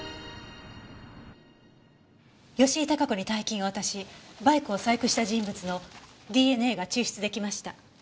吉井孝子に大金を渡しバイクを細工した人物のＤＮＡが抽出出来ました。